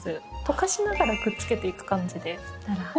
溶かしながらくっつけていく感じです。